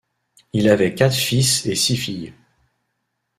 Il avait quatre fils et six filles.